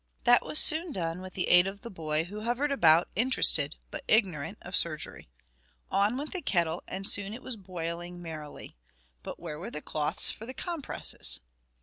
That was soon done, with the aid of the boy, who hovered about, interested, but ignorant of surgery. On went the kettle, and soon it was boiling merrily; but where were the cloths for the compresses?